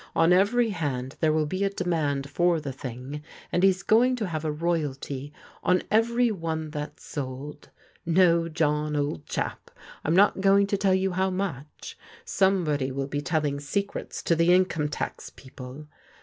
" On every hand there will be a demand for the thing, and he's going to have a royalty on every one that's sold. No, John, old chap, I'm not going to tell how much. Somebody will be telling secrets to the In come Tax people.